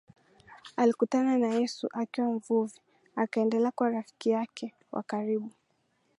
Alikutana na Yesu akiwa mvuvi akaendelea kuwa rafiki yake wa karibu